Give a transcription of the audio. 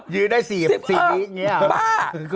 ยืนได้๔อัพอ่ะบ้า